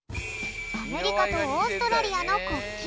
アメリカとオーストラリアの国旗。